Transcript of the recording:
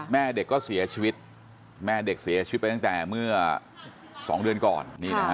แม่เด็กก็เสียชีวิตแม่เด็กเสียชีวิตไปตั้งแต่เมื่อ๒เดือนก่อน